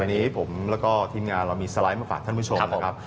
วันนี้ผมแล้วก็ทีมงานเรามีสไลด์มาฝากท่านผู้ชมนะครับ